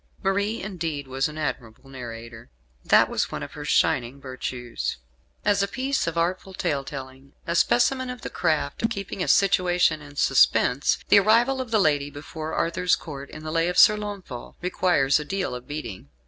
Marie, indeed, was an admirable narrator. That was one of her shining virtues. As a piece of artful tale telling, a specimen of the craft of keeping a situation in suspense, the arrival of the lady before Arthur's Court, in "The Lay of Sir Launfal," requires a deal of beating.